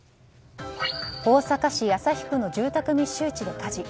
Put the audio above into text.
大阪市旭区の住宅密集地で火事。